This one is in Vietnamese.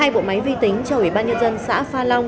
hai bộ máy vi tính cho ủy ban nhân dân xã pha long